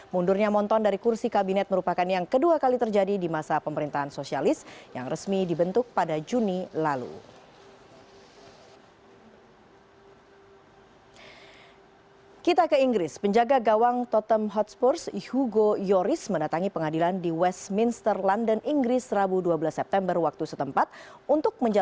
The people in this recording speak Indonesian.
mundurnya monton dari kursi kabinet merupakan yang kedua kali terjadi di masa pemerintahan sosialis yang resmi dibentuk pada juni lalu